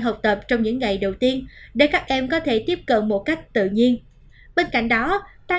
học tập trong những ngày đầu tiên để các em có thể tiếp cận một cách tự nhiên bên cạnh đó tăng